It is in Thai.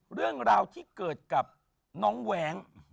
เรื่องราวที่เกิดกับน้องแว้ง